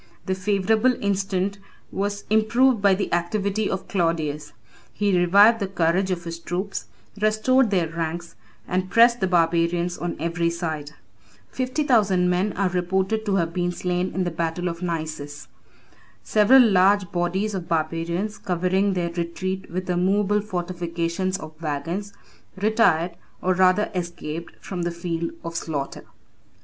The favorable instant was improved by the activity of Claudius. He revived the courage of his troops, restored their ranks, and pressed the barbarians on every side. Fifty thousand men are reported to have been slain in the battle of Naissus. Several large bodies of barbarians, covering their retreat with a movable fortification of wagons, retired, or rather escaped, from the field of slaughter.